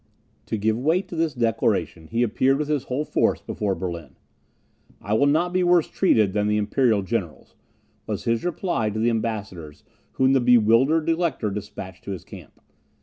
To give weight to this declaration, he appeared with his whole force before Berlin. "I will not be worse treated than the imperial generals," was his reply to the ambassadors whom the bewildered Elector despatched to his camp.